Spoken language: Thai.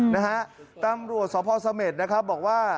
นะฮะตำรวจสพสเมษนะครับบอกว่า